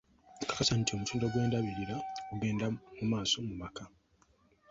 Okwekakasa nti omutindo gw’endabirira kugenda mu maaso mu maka.